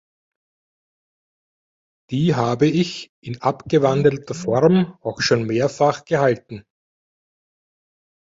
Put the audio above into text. Die habe ich in abgewandelter Form auch schon mehrfach gehalten.